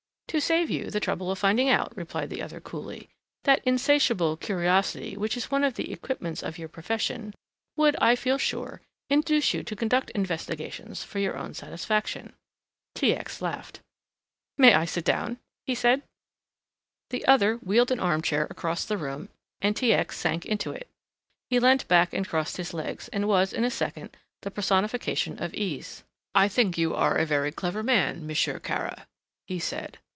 "To save you the trouble of finding out," replied the other coolly. "That insatiable curiosity which is one of the equipments of your profession, would, I feel sure, induce you to conduct investigations for your own satisfaction." T. X. laughed. "May I sit down?" he said. The other wheeled an armchair across the room and T. X. sank into it. He leant back and crossed his legs, and was, in a second, the personification of ease. "I think you are a very clever man, Monsieur Kara," he said.